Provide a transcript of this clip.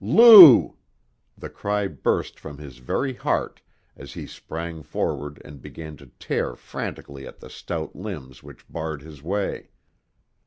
"Lou!" The cry burst from his very heart as he sprang forward and began to tear frantically at the stout limbs which barred his way.